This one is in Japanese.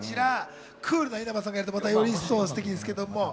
クールな稲葉さんがやるとまた一層、ステキですけれども。